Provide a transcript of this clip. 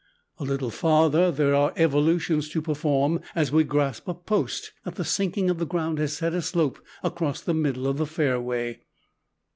A little farther there are evolutions to perform as we grasp a post that the sinking of the ground has set aslope across the middle of the fairway.